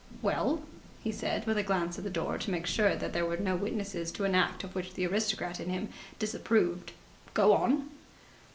"Well," he said, with a glance at the door to make sure that there were no witnesses to an act of which the aristocrat in him disapproved, "go on!"